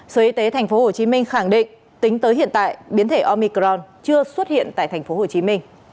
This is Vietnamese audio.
sở y tế tp hcm khẳng định tính tới hiện tại biến thể omicron chưa xuất hiện tại tp hcm